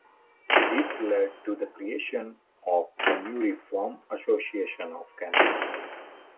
This led to the creation of a new "Reform Association of Canada".